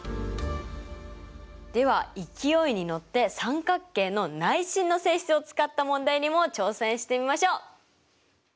では勢いに乗って三角形の内心の性質を使った問題にも挑戦してみましょう！